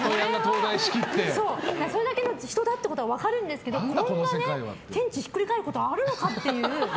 それだけの人だっていうのは分かるんだけどこんなに天地がひっくり返ることはあるのかっていう。